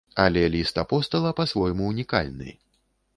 Але ліст апостала па-свойму ўнікальны.